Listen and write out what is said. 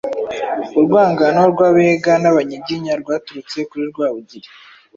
Urwangano rw’Abega n’Abanyiginya rwaturutse kuri Rwabugili